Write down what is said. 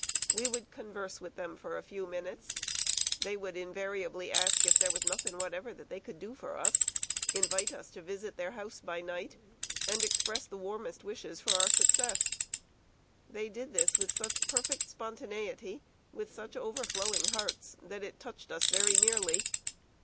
We would converse with them for a few minutes; they would invariably ask if there was nothing whatever they could do for us, invite us to visit their house by night, and express the warmest wishes for our success. They did this with such perfect spontaneity, with such overflowing hearts, that it touched us very nearly.